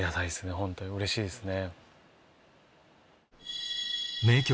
ホントにうれしいですね。